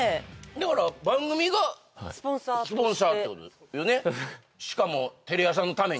だから番組がスポンサーってことですよね？